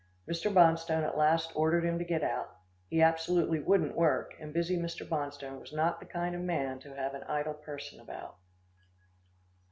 Mr. Bonstone at last ordered him to get out. He absolutely wouldn't work, and busy Mr. Bonstone was not the kind of man to have an idle person about.